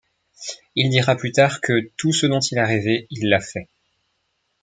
Il dira plus tard que, tout ce dont il a rêvé, il l'a fait.